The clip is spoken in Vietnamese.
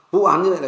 vụ án như vậy là